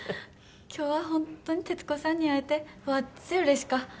今日は本当に徹子さんに会えてわっぜうれしか。